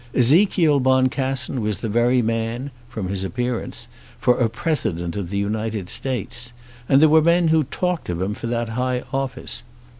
Ezekiel Boncassen was the very man, from his appearance, for a President of the United States; and there were men who talked of him for that high office.